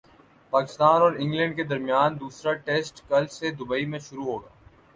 پاکستان اور انگلینڈ کے درمیان دوسرا ٹیسٹ کل سے دبئی میں شروع ہوگا